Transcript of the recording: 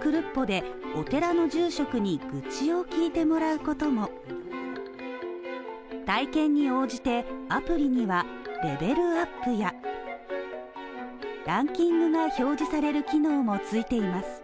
クルッポで、お寺の住職に愚痴を聞いてもらうことも体験に応じてアプリにはレベルアップやランキングが表示される機能もついています。